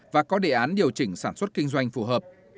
và có đề án điều chỉnh sản xuất kinh doanh phù hợp